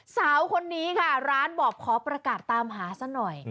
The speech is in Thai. สาวคนนี้ค่ะร้านบอกขอประกาศตามหาซะหน่อย